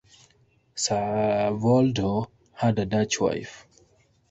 Savoldo had a Dutch wife.